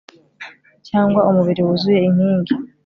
cyangwa umubiri wuzuye inkingi